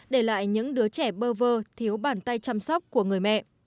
để lại những đứa trẻ bơ vơ thiếu bàn tay chăm sóc của người mẹ